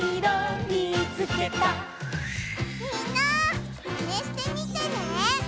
みんなマネしてみてね！